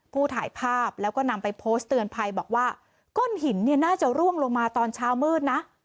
ถ่ายภาพแล้วก็นำไปโพสต์เตือนภัยบอกว่าก้อนหินเนี่ยน่าจะร่วงลงมาตอนเช้ามืดนะ